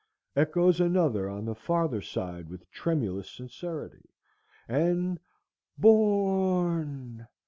_ echoes another on the farther side with tremulous sincerity, and—_bor r r r n!